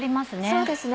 そうですね